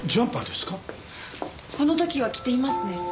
この時は着ていますね。